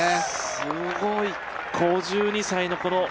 すごい、５２歳の。